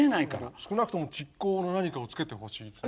少なくとも蓄光の何かをつけてほしいですね。